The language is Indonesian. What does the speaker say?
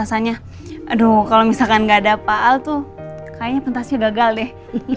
makasasanya aduh kalau misalkan nggak ada pak al tuh kayaknya pentasnya gagal deh